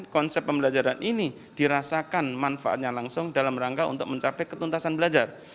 konsep pembelajaran ini dirasakan manfaatnya langsung dalam rangka untuk mencapai ketuntasan belajar